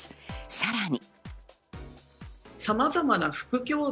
さらに。